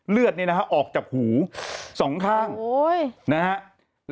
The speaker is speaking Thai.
เลือดเนี่ยนะครับออกจากหูสองข้างนะครับ